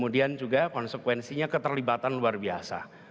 dan konsekuensinya keterlibatan luar biasa